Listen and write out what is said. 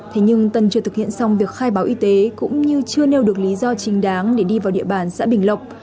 thế nhưng tân chưa thực hiện xong việc khai báo y tế cũng như chưa nêu được lý do chính đáng để đi vào địa bàn xã bình lộc